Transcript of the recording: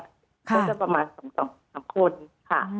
ก็จะประมาณ๒๓คนค่ะ